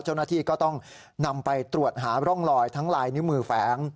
เจ้าหน้าที่ก็ต้องนำไปตรวจหาร่องลอยทั้งลายนิ้วมือแฝง